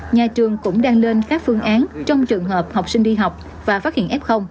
nhà trường cũng đang lên các phương án trong trường hợp học sinh đi học và phát hiện f